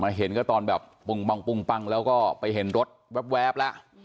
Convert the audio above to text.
เห็นก็ตอนแบบปุ้งปังแล้วก็ไปเห็นรถแว๊บแล้ว